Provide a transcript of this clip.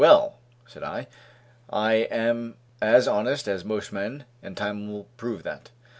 "Well," said I, "I am as honest as most men, and time will prove that."